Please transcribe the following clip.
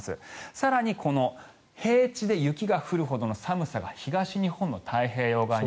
更にこの平地で雪が降るほどの寒さが東日本の太平洋側に。